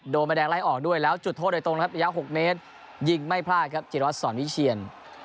มาแดงไล่ออกด้วยแล้วจุดโทษโดยตรงนะครับระยะ๖เมตรยิงไม่พลาดครับจิรวัตรสอนวิเชียน